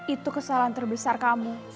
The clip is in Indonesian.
itu kesalahan terbesar kamu